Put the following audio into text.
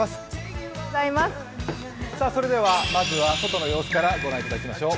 それではまずは外の様子から御覧いただきましょう。